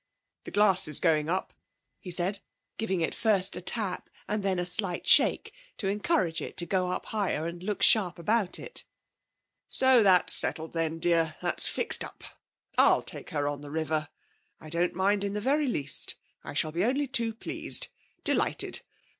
'The glass is going up,' he said, giving it first a tap and then a slight shake to encourage it to go up higher and to look sharp about it. 'So that's settled, then, dear. That's fixed up. I'll take her on the river. I don't mind in the very least. I shall be only too pleased delighted.